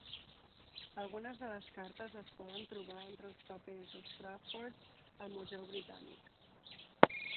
Algunes de les cartes es poden trobar entre els papers de Strafford al Museu Britànic.